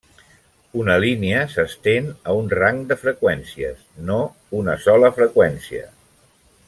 Una línia s'estén a un rang de freqüències, no una sola freqüència.